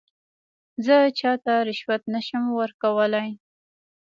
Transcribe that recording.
زه چاته رشوت نه شم ورکولای.